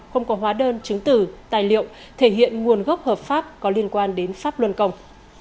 không có hóa đơn chứng tử tài liệu thể hiện nguồn gốc hợp pháp có liên quan đến pháp luân công